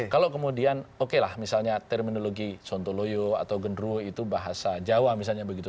kalau kemudian oke lah misalnya terminologi sontoloyo atau genruo itu bahasa jawa misalnya begitu